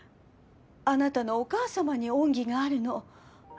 あなたのお母さまに恩義があるの。